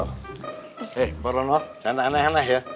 eh mbak rono jangan aneh aneh ya